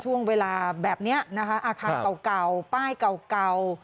ช่วงเวลาแบบนี้นะคะอาคารเก่าป้ายเก่า